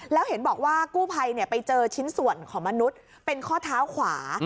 แล้วเห็นบอกว่ากู้ภัยไปเจอชิ้นส่วนของมนุษย์เป็นข้อเท้าขวา